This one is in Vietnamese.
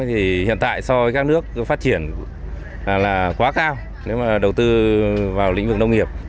thì hiện tại so với các nước phát triển là quá cao nếu mà đầu tư vào lĩnh vực nông nghiệp